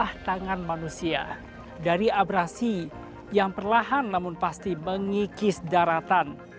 ada tangan manusia dari abrasi yang perlahan namun pasti mengikis daratan